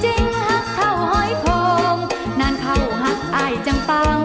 ฮักเท่าหอยโภงนานเข้าฮักอายจังปัง